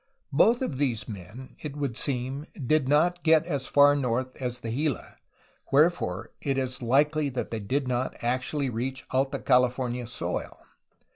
Both of these men, it would seem, did not get as far north as the Gila, wherefore it is likely that they did not actually reach Alta California soil.